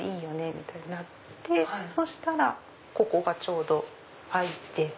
みたいになってそしたらここがちょうど空いて。